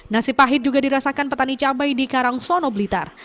nasib pahit juga dirasakan petani cabai di karangsono blitar